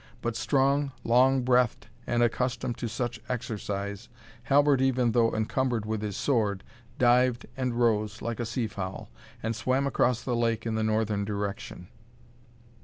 But strong, long breathed, and accustomed to such exercise, Halbert, even though encumbered with his sword, dived and rose like a seafowl, and swam across the lake in the northern direction.